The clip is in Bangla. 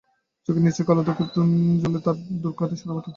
চোখের নিচের কালো দাগ, ত্বকের বলিরেখা দূর করতে ব্যবহার করতে পারেন সাদা মাটি।